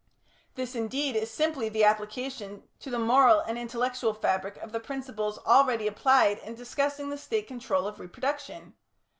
This, indeed, is simply the application to the moral and intellectual fabric of the principles already applied in discussing the State control of reproduction (in Chapter the Sixth, section 2).